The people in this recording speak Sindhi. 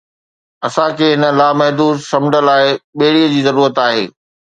اسان کي هن لامحدود سمنڊ لاءِ ٻيڙيءَ جي ضرورت آهي